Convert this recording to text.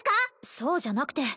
そうじゃなくて